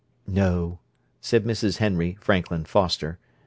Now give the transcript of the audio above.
"No," said Mrs. Henry Franklin Foster.